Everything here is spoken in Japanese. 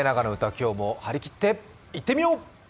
今日も張り切っていってみよう！